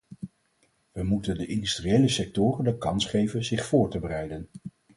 We moeten de industriële sectoren de kans geven zich voor te bereiden.